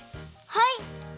はい！